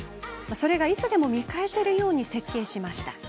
それが、いつでも見返せるように設計しました。